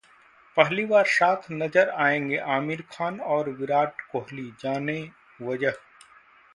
पहली बार साथ नजर आएंगे आमिर खान और विराट कोहली, जानें वजह